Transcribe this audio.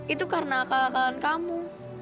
itu karena akal akalan kamu